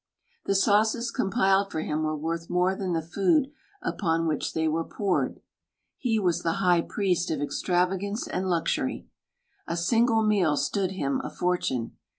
The sauces coriipilfed for hirii were wbrth more than the fbod updri which fhfey were pbiired. He vi'as the high jiriest of extravdgaiice and liixiiry. A Single rrieal stodd him a fdrturie.